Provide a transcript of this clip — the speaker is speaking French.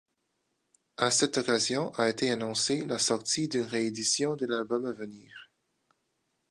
À cette occasion a été annoncée la sortie d'une réédition de l'album à venir.